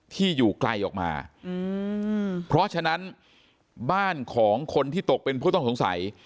ที่อยู่ไกลออกมาเพราะฉะนั้นบ้านของคนที่ตกเป็นผู้ต้องสงสัย